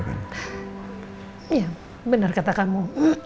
iya benar kata kamu